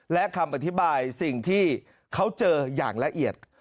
และคำอธิบายสิ่งที่เขาเจออย่างละเอียด